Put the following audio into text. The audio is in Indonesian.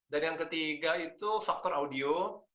dan yang ketiga itu faktor audio